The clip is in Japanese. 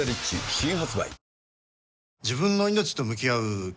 新発売